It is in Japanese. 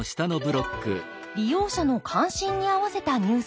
利用者の関心にあわせたニュースです。